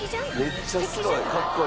めっちゃすごい。